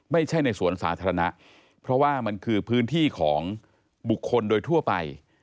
ในสวนสาธารณะเพราะว่ามันคือพื้นที่ของบุคคลโดยทั่วไป